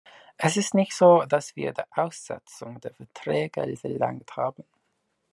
Es ist nicht so, dass wir die Aussetzung der Verträge verlangt haben.